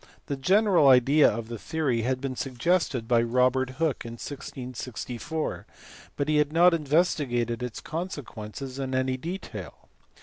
The general idea of the theory had been suggested by Robert HUYGENS. 305 Hooke in 1664, but he had not investigated its consequences in any detail.